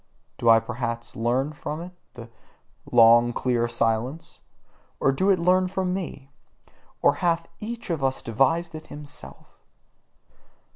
Did I perhaps learn from it the long clear silence? Or did it learn it from me? Or hath each of us devised it himself?